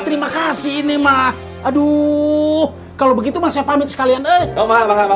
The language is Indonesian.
tidak ada yang bisa datang ke alamat ini alhamdulillah tidak ada yang bisa datang ke alamat ini alhamdulillah